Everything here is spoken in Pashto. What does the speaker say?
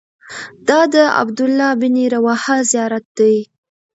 دا د عبدالله بن رواحه زیارت دی.